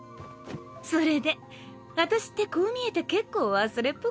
それで私ってこう見えて結構忘れっぽくってさぁ。